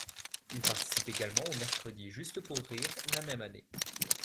Il participe également aux Mercredis Juste pour rire la même année.